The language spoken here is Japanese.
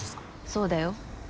そうだよ。